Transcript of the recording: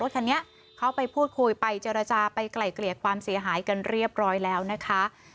คันนี้เขาไปพูดคุยไปเจรจาไปไกล่เกลี่ยความเสียหายกันเรียบร้อยแล้วนะคะ